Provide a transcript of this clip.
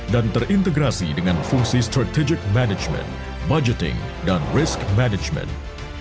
dan terintegrasi dengan fungsi strategic management budgeting dan risk management